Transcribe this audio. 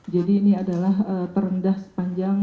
jadi ini adalah terendah sepanjangnya